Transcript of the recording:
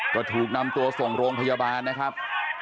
ก็ถูกนำตัวส่งโรงพยาบาลนะครับ